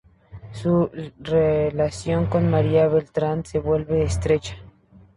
Su relación con María Beltrán se vuelve estrecha.